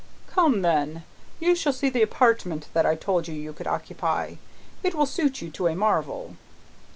"Come, then! You shall see the apartment that I told you you could occupy. It will suit you to a marvel."